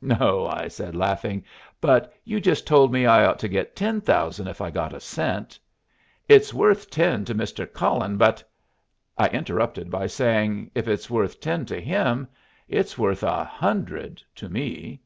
"No," I said, laughing; "but you just told me I ought to get ten thousand if I got a cent." "It's worth ten to Mr. Cullen, but " I interrupted by saying, "If it's worth ten to him, it's worth a hundred to me."